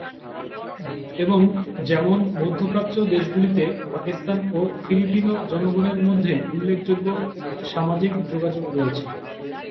এবং যেমন মধ্যপ্রাচ্য দেশগুলিতে পাকিস্তানি ও ফিলিপিনো জনগণের মধ্যে উল্লেখযোগ্য সামাজিক যোগাযোগ রয়েছে।